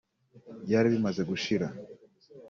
byari bimaze gushira